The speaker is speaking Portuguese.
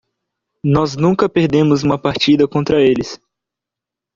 Nós nunca perdemos uma partida contra eles.